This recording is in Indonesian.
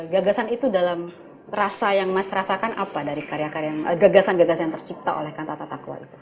gagasan itu dalam rasa yang mas rasakan apa dari gagasan gagasan yang tercipta oleh kantata takwa itu